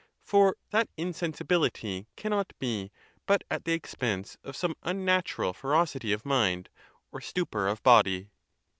For that insensi bility cannot be but at the expense of some unnatural fe rocity of mind, or stupor of body."